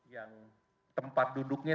yang tempat duduknya